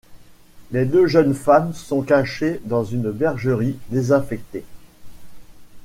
Les deux jeunes femmes sont cachées dans une bergerie désaffectée.